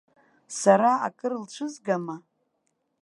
Сара акыр лцәызгама?!